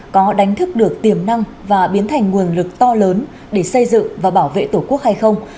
có đánh thức được tiềm năng và biến thành nguồn lực to lớn để xây dựng và bảo vệ tổ quốc hay không